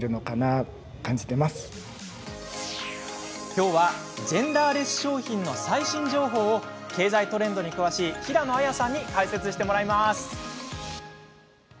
きょうは、ジェンダーレス商品の最新情報を経済トレンドに詳しい平野亜矢さんに解説してもらいます。